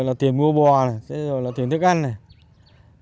rồi là tiền mua bò này rồi là tiền thức ăn này